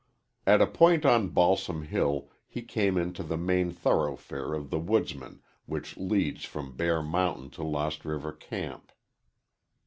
At a point on Balsam Hill he came into the main thoroughfare of the woodsmen which leads from Bear Mountain to Lost River camp.